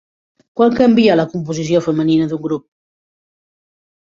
Quan canvia la composició femenina d'un grup?